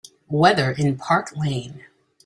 Weather in Park Layne